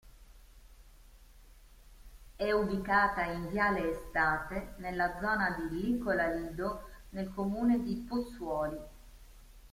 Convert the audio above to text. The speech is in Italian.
È ubicata in viale Estate, nella zona di Licola Lido, nel comune di Pozzuoli.